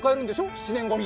７年後に。